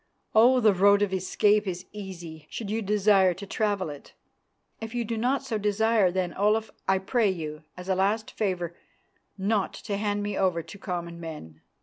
Oh! the road of escape is easy, should you desire to travel it. If you do not so desire, then, Olaf, I pray you as a last favour not to hand me over to common men.